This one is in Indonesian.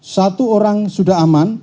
satu orang sudah aman